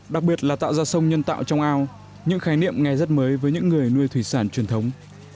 đặc biệt là tạo ra sông nhân tạo trong ao những khái niệm nghe rất mới với những người nuôi thủy sản truyền thống